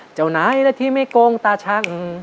เจ้านายและที่ไม่โกงตาชัง